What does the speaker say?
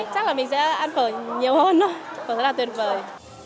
chắc là mình sẽ ăn phở nhiều hơn thôi phở rất là tuyệt vời